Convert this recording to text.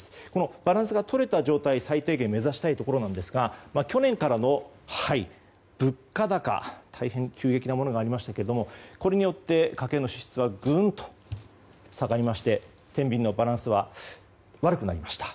バランスがとれた状態を最低限目指したいところなんですが去年からの物価高大変急激なものがありましたがこれによって家計の支出はぐんと下がりまして天秤のバランスは悪くなりました。